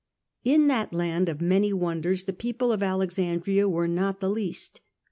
In that land of many wonders the people of Alexandria were not the least.